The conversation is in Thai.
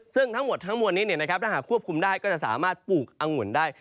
ซึ่งทั้งหมวดทั้งหมวดนี้เนี่ยนะครับถ้าหากควบคุมได้ก็จะสามารถปลูกอังหุ่นได้